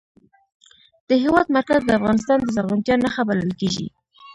د هېواد مرکز د افغانستان د زرغونتیا نښه بلل کېږي.